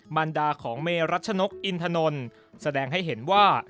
บรรดาของเมย์รัชนกอินทนแสดงให้เห็นว่า